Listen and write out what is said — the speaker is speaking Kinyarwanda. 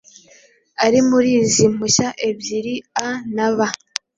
ari muri izi mpushya ebyiri A na B,